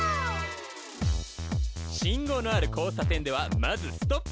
信号のある交差点ではまずストップ！